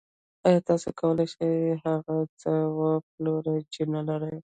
آیا تاسو کولی شئ هغه څه وپلورئ چې نلرئ